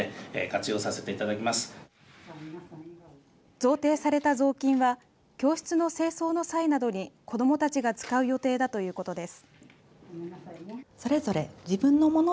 贈呈されたぞうきんは教室の清掃の際などに子どもたちが使う予定だということです。